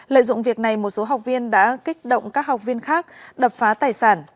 lợi dụng việc này một số học viên đã kích động các học viên khác đập phá tài sản